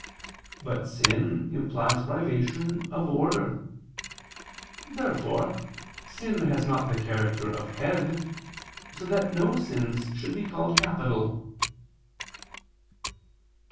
But sin implies privation of order. Therefore sin has not the character of head: so that no sins should be called capital.